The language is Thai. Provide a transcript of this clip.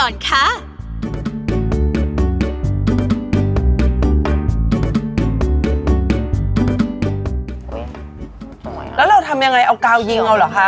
แล้วเราทำยังไงเอากาวยิงเอาเหรอคะ